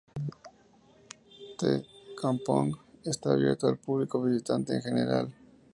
The Kampong está abierto al público visitante en general.